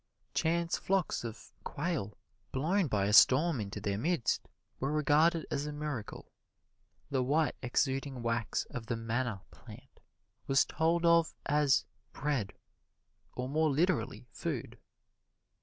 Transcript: Chance flocks of quail blown by a storm into their midst were regarded as a miracle; the white exuding wax of the manna plant was told of as "bread" or more literally food.